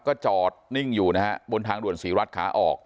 ก็จอดนิ่งอยู่นะฮะบนทางด่วนศรีรัฐขาออก